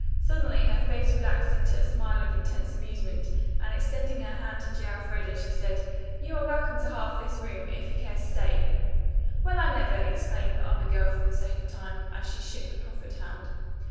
Suddenly her face relaxed into a smile of intense amusement, and extending her hand to J. Elfreda, she said, "You are welcome to half this room, if you care to stay." "Well, I never!" exclaimed the other girl for the second time, as she shook the proffered hand.